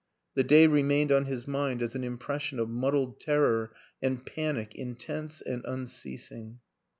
The day remained on his mind as an impression of muddled terror and panic in tense and unceasing.